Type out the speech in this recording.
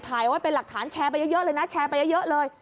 ถ่ายไว้เป็นหลักฐานแชร์ไปเยอะเลย